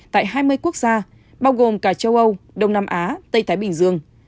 tại hai mươi quốc gia bao gồm cả châu âu đông nam á tây thái bình dương